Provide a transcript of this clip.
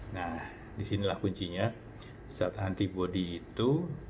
nah disinilah kuncinya saat antibody itu